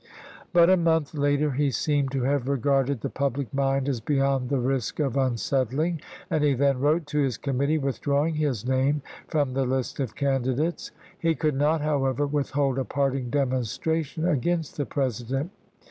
But a month later he seemed to have regarded sept.17. the public mind as beyond the risk of unsettling, and he then wrote to his committee, withdrawing his name from the list of candidates. He could not, however, withhold a parting demonstration against the President.